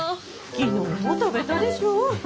昨日も食べたでしょ？